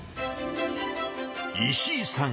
石井さん